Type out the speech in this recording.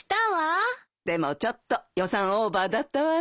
でもちょっと予算オーバーだったわね。